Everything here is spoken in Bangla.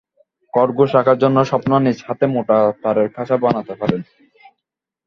খরগোশ রাখার জন্য স্বপ্না নিজ হাতে মোটা তারের খাঁচা বানাতে পারেন।